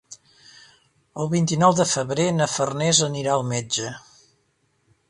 El vint-i-nou de febrer na Farners anirà al metge.